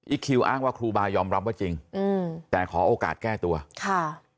คิวอ้างว่าครูบายอมรับว่าจริงอืมแต่ขอโอกาสแก้ตัวค่ะ